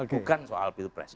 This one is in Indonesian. bukan soal pilpres